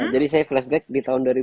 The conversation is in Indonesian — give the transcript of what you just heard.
jadi saya flashback di tahun